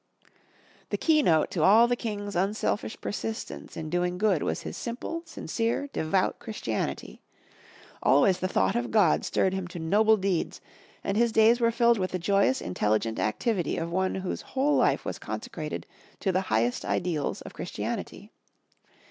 '' The keynote to all the King's unselfish persistence in doing good was his simple, sincere, devout Christianity. Always the thought of God stirred him to noble deeds and his days were filled with the joyous intelligent activity of one whose whole life was consecrated to the highest ideals of Christianity.